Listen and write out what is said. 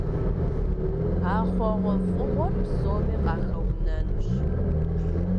А хъугъуэфӀыгъуэр псоми къахуэнэнущ.